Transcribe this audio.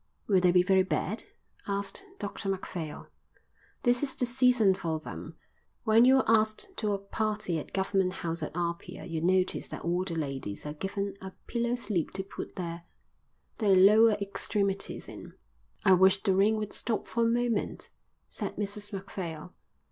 "Will they be very bad?" asked Dr Macphail. "This is the season for them. When you're asked to a party at Government House at Apia you'll notice that all the ladies are given a pillow slip to put their their lower extremities in." "I wish the rain would stop for a moment," said Mrs Macphail.